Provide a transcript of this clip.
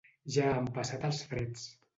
Ja han passat els freds.